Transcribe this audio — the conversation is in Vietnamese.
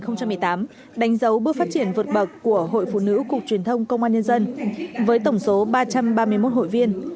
năm hai nghìn một mươi tám đánh dấu bước phát triển vượt bậc của hội phụ nữ cục truyền thông công an nhân dân với tổng số ba trăm ba mươi một hội viên